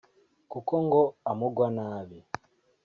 kuko ngo amugwa nabi